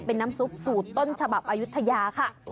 เป็นน้ำซุปสูตรต้นฉบับอายุทยาค่ะ